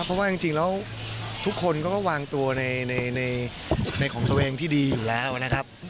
เพราะว่าจริงแล้วทุกคนก็วางตัวในของตัวเองที่ดีอยู่แล้วนะครับ